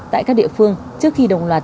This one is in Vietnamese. tại các địa phương trước khi đồng loạt